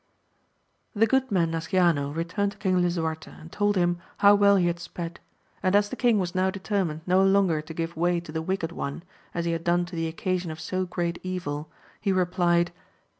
HE good man Nasciano returned to King Lisuarte, and told him how well he had sped : and as the king was now determined no longer to give way to the wicked one, as he had done to the occasion of so great evil, he replied.